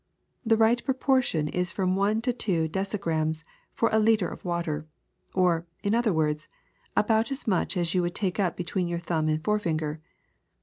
The right proportion is from one to two decigrams for a liter of water ; or, in other words, about as much as you would take up between your thumb and forefinger.